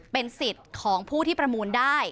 เป็นสิทธิ์ของผู้ที่ประมูลได้